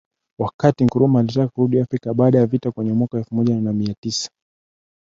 Wakati Nkrumah alitaka kurudi Afrika baada ya vita kwenye mwaka elfu moja mia tisa